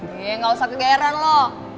cie gak usah kegairan lo